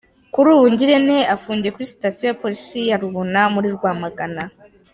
Kuri ubu Ngirente afungiwe kuri Sitasiyo ya Polisi ya Rubona muri Rwamagana.